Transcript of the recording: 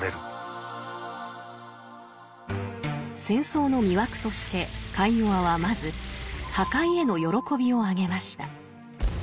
戦争の魅惑としてカイヨワはまず破壊への悦びを挙げました。